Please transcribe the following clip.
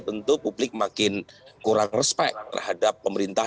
jadi saya rasa publik makin kurang respect terhadap pemerintah